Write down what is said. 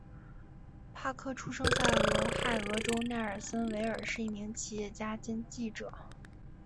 帕克出生在俄亥俄州奈尔森维尔是一名企业家兼记者。